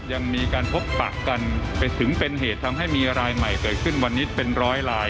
ยังมีการพบปะกันถึงเป็นเหตุทำให้มีรายใหม่เกิดขึ้นวันนี้เป็นร้อยลาย